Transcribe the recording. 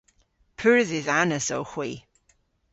Pur dhidhanus owgh hwi.